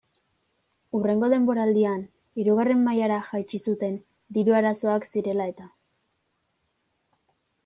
Hurrengo denboraldian hirugarren mailara jaitsi zuten diru arazoak zirela eta.